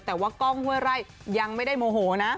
แต่ว่ากล้องห้วยไร่ยังไม่ได้โมโหนะ